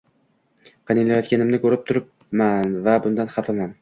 “Qiynalayotganingni ko‘rib turibman va bundan xafaman.